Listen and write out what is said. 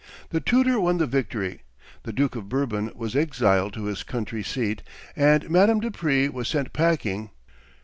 The tutor won the victory. The Duke of Bourbon was exiled to his country seat, and Madame de Prie was sent packing.